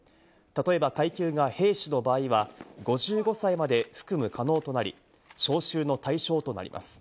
例えば階級が兵士の場合は５５歳まで服務可能となり、招集の対象となります。